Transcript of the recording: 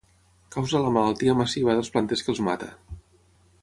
Causa la malaltia massiva dels planters que els mata.